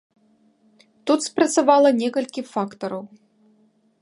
Тут спрацавала некалькі фактараў.